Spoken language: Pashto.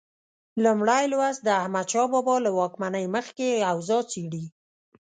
لومړی لوست د احمدشاه بابا له واکمنۍ مخکې اوضاع څېړي.